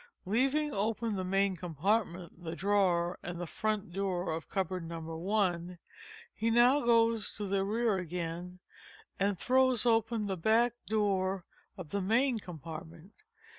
Leaving open the main compartment, the drawer, and the front door of cupboard No. I, he now goes to the rear again, and throws open the back door of the main compartment.